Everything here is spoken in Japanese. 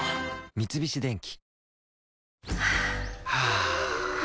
三菱電機